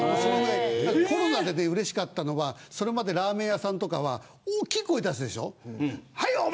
コロナでうれしかったのはそれまでラーメン屋さんとかは大きい声を出すでしょう。